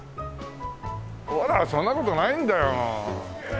ほらそんな事ないんだよ。